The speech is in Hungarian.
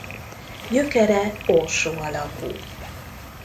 Gyökere orsó alakú.